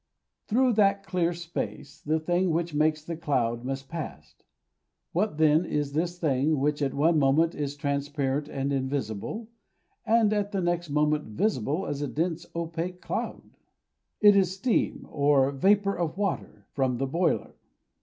Through that clear space the thing which makes the cloud must pass. What, then, is this thing which at one moment is transparent and invisible, and at the next moment visible as a dense opaque cloud? It is the steam or vapour of water from the boiler.